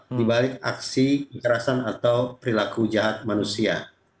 dibalik aksi kekerasan atau perilaku jahat manusia